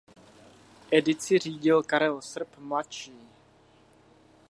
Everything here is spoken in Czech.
Edici řídil Karel Srp mladší.